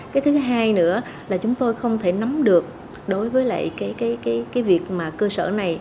cái thứ hai nữa là chúng tôi không thể nắm được đối với lại cái việc mà cơ sở này